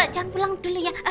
jangan pulang dulu ya